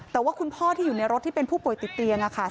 แต่ว่าคุณพ่อที่อยู่ในรถที่เป็นผู้ป่วยติดเตียงค่ะ